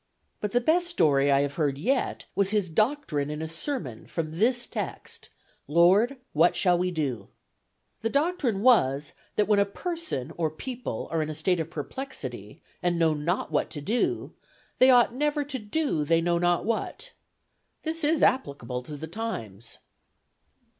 "But the best story I have heard yet was his doctrine in a sermon from this text, 'Lord, what shall we do?' The doctrine was that when a person or people are in a state of perplexity, and know not what to do, they ought never to do they know not what. This is applicable to the times."